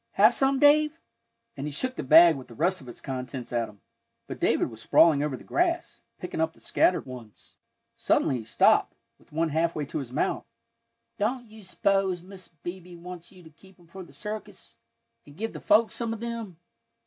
"Have some, Dave?" and he shook the bag with the rest of its contents at him. But David was sprawling over the grass, picking up the scattered ones. Suddenly he stopped, with one halfway to his mouth. "Don't you s'pose Mrs. Beebe wants you to keep 'em for the circus, and give the folks some of them?"